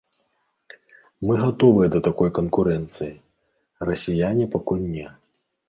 Мы гатовыя да такой канкурэнцыі, расіяне пакуль не.